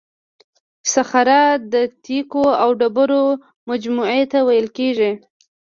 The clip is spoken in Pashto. صخره د تیکو او ډبرو مجموعې ته ویل کیږي.